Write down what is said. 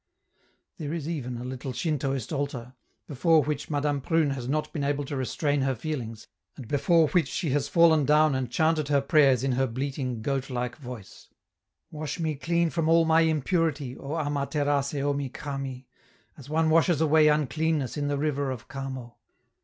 There is even a little Shintoist altar, before which Madame Prune has not been able to restrain her feelings, and before which she has fallen down and chanted her prayers in her bleating, goat like voice: "Wash me clean from all my impurity, O Ama Terace Omi Kami! as one washes away uncleanness in the river of Kamo."